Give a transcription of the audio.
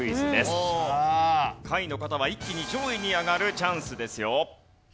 下位の方は一気に上位に上がるチャンスですよ。